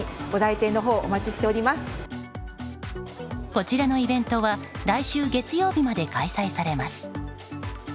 こちらのイベントは来週月曜日まで開催されます。